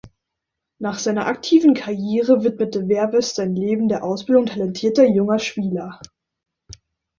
Nach seiner aktive Karriere widmete Vervest sein Leben der Ausbildung talentierter junger Spieler.